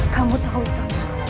kamu tahu ibu